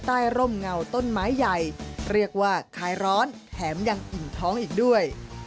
ร่มเงาต้นไม้ใหญ่เรียกว่าคลายร้อนแถมยังอิ่มท้องอีกด้วย